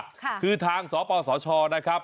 ค่ะคือทางสปสชนะครับ